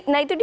nah itu dia